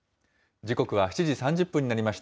時刻は７時３０分になりました。